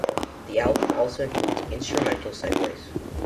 The album also includes instrumental segues.